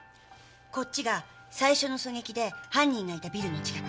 こっちが最初の狙撃で犯人がいたビルの近く。